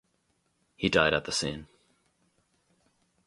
He died at the scene.